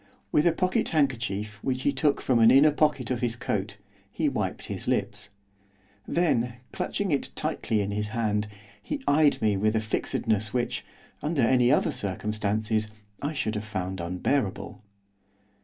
With a pocket handkerchief which he took from an inner pocket of his coat, he wiped his lips. Then, clutching it tightly in his hand, he eyed me with a fixedness which, under any other circumstances, I should have found unbearable.